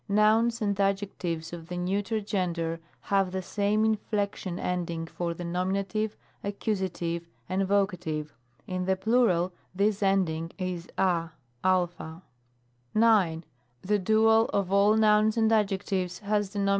Nouns and adjectives of the neuter gender have the same inflection ending for the Nom. Ace. and Voc. In the plural this ending is cc. 9. The dual of all nouns and adjectives has the Nom.